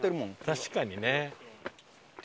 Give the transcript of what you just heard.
確かにね。